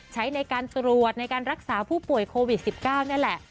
ใช้ในการตรวจในการรักษาผู้ป่วยโควิด๑๙นี่แหละ